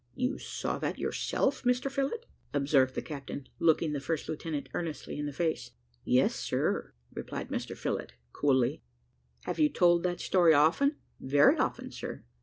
"You saw that yourself, Mr Phillott?" observed the captain, looking the first lieutenant earnestly in the face. "Yes, sir," replied Mr Phillott, coolly. "Have you told that story often?" "Very often, sir."